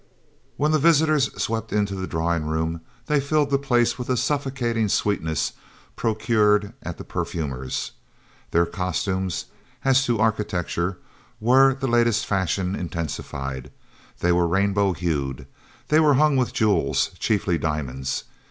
When the visitors swept into the drawing room they filled the place with a suffocating sweetness procured at the perfumer's. Their costumes, as to architecture, were the latest fashion intensified; they were rainbow hued; they were hung with jewels chiefly diamonds.